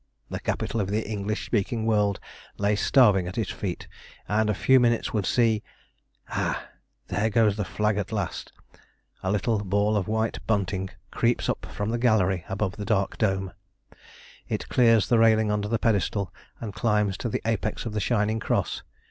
The capital of the English speaking world lay starving at his feet, and a few minutes would see Ha! there goes the flag at last. A little ball of white bunting creeps up from the gallery above the dark dome. It clears the railing under the pedestal, and climbs to the apex of the shining cross.